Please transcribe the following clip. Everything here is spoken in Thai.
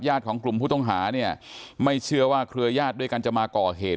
ของกลุ่มผู้ต้องหาเนี่ยไม่เชื่อว่าเครือญาติด้วยกันจะมาก่อเหตุ